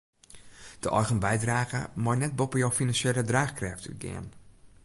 De eigen bydrage mei net boppe jo finansjele draachkrêft útgean.